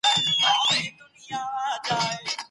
فرهنګي او سیاسي پرمختګونه باید هېر نه سي.